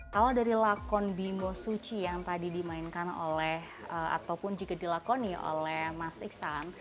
kalau dari lakon bimo suci yang tadi dimainkan oleh ataupun jika dilakoni oleh mas iksan